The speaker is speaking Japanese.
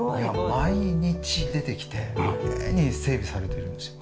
毎日出てきてきれいに整備されてるんですよ。